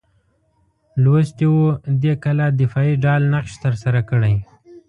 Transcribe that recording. لوستي وو دې کلا دفاعي ډال نقش ترسره کړی.